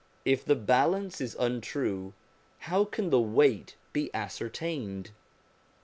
If the balance is untrue, how can the weight be ascertained